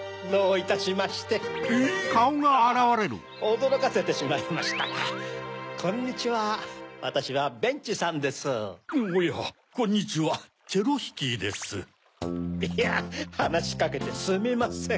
いやはなしかけてすみません。